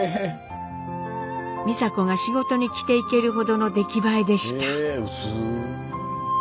美佐子が仕事に着ていけるほどの出来栄えでした。